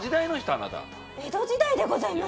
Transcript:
江戸時代でございます。